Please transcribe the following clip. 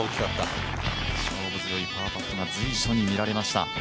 勝負強いパーパットが随所に見えました。